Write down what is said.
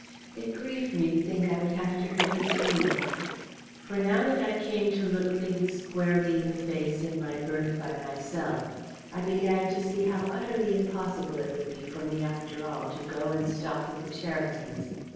It grieved me to think I would have to hurt his feelings. For now that I came to look things squarely in the face in my berth by myself, I began to see how utterly impossible it would be for me after all to go and stop with the Cheritons.